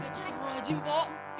itu sih farid